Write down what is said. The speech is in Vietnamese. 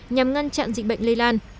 nhằm ngăn chặn dịch bệnh lây lan